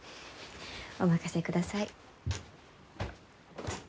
お任せください。